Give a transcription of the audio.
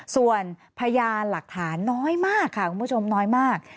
ส่วนพยานหลักฐานน้อยมากค่ะคุณผู้ชมน้อยมาก